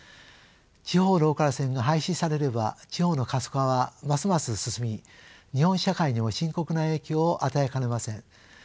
地方ローカル線が廃止されれば地方の過疎化はますます進み日本社会にも深刻な影響を与えかねません。